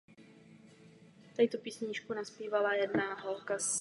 Před příchodem Evropanů byl ostrov opuštěný a bez dostatku pitné vody.